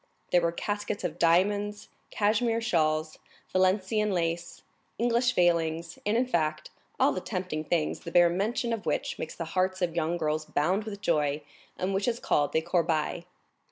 There were caskets of diamonds, cashmere shawls, Valenciennes lace, English veils, and in fact all the tempting things, the bare mention of which makes the hearts of young girls bound with joy, and which is called the corbeille.